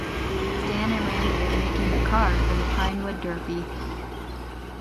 Stan and Randy are making a car for the Pinewood Derby.